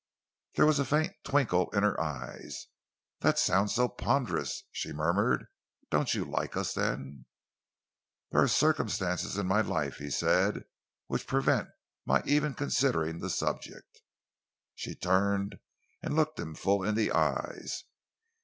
There was a faint twinkle in her eyes. "That sounds so ponderous," she murmured. "Don't you like us, then?" "There are circumstances in my life," he said, "which prevent my even considering the subject." She turned and looked him full in the eyes.